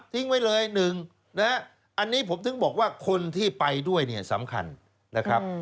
ไว้เลยหนึ่งนะฮะอันนี้ผมถึงบอกว่าคนที่ไปด้วยเนี่ยสำคัญนะครับ